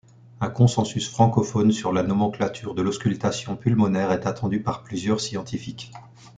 Un consensus francophone sur la nomenclature de l'auscultation pulmonaire est attendu par plusieurs scientifiques.